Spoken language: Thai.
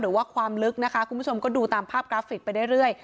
หรือว่าความลึกนะคะคุณผู้ชมก็ดูตามภาพกราฟิกไปเรื่อย